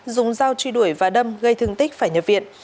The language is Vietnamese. dùng dao truy đuổi và đâm gây thương tích phải nhập viện